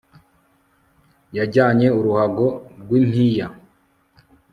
Yajyanye uruhago rwimpiya